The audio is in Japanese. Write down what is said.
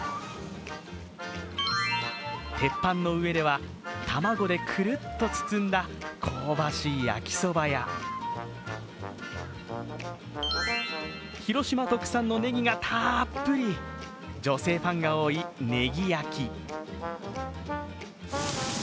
鉄板の上では、卵でくるっと包んだ香ばしい焼きそばや広島特産のネギがたっぷり、女性ファンが多いネギ焼き。